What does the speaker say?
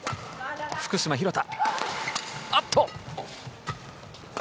福島、廣田。